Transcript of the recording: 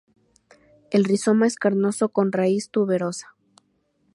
El rizoma es carnoso con raíz tuberosa.